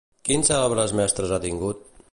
Quins cèlebres mestres ha tingut?